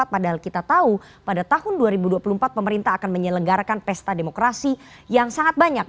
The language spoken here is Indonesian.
padahal kita tahu pada tahun dua ribu dua puluh empat pemerintah akan menyelenggarakan pesta demokrasi yang sangat banyak